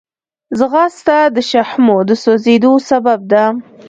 ځغاسته د شحمو د سوځېدو سبب ده